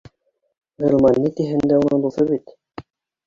Ғилман, ни тиһәң дә, уның дуҫы бит